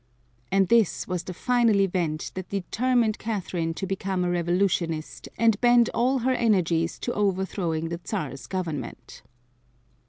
And this was the final event that determined Catherine to become a revolutionist and bend all her energies to overthrowing the Czar's government.